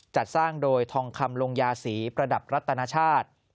จัดสร้างโดยทองคำลงยาสีประดับรัตนชาติ